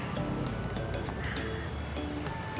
oke udah jadi ya pak ya udah begini aja